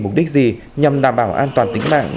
mục đích gì nhằm đảm bảo an toàn tính mạng